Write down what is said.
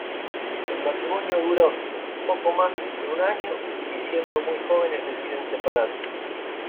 El matrimonio dura poco más de un año y siendo muy jóvenes deciden separarse.